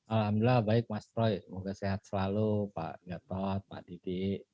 alhamdulillah baik mas troy semoga sehat selalu pak gatot pak didik